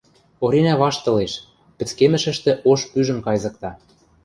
Оринӓ ваштылеш, пӹцкемӹшӹштӹ ош пӱжӹм кайзыкта.